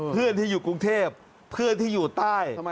เพื่อนที่อยู่กรุงเทพเพื่อนที่อยู่ใต้